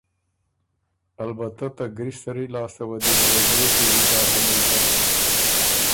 البته ته ګری سری لاسته وه دی ګولئے شُوري داکِن ویزر